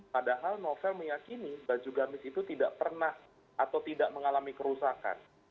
padahal novel meyakini baju gamis itu tidak pernah atau tidak mengalami kerusakan